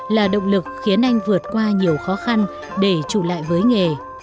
là động lực khiến anh vượt qua nhiều khó khăn để trụ lại với nghề